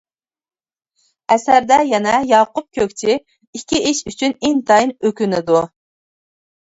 ئەسەردە يەنە ياقۇپ كۆكچى ئىككى ئىش ئۈچۈن ئىنتايىن ئۆكۈنىدۇ.